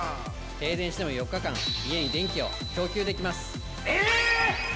停電しても４日間家に電気を供給できます！